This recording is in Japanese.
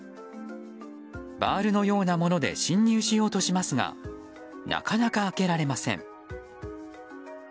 バールのようなもので侵入しようとしますがなかなか開けられません。